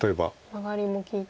マガリも利いて。